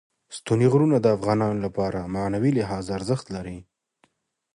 ستوني غرونه د افغانانو لپاره په معنوي لحاظ ارزښت لري.